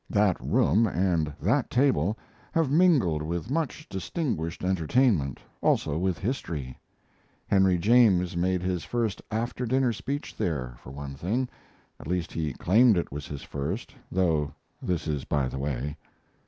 That room and that table have mingled with much distinguished entertainment, also with history. Henry James made his first after dinner speech there, for one thing at least he claimed it was his first, though this is by the way.